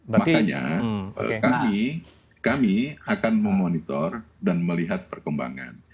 makanya kami akan memonitor dan melihat perkembangan